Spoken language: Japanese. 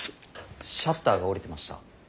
シャッターが下りてました。